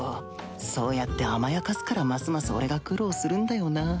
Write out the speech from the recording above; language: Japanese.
そうやって甘やかすからますます俺が苦労するんだよなぁ